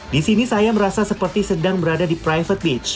di sini saya merasa seperti sedang berada di private beach